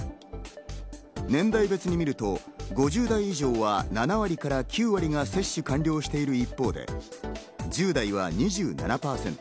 年代別にみると５０代以上は７割から９割が接種完了している一方で、１０代は２７％。